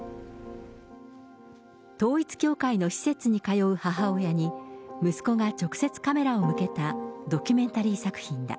統一教会の施設に通う母親に、息子が直接カメラを向けたドキュメンタリー作品だ。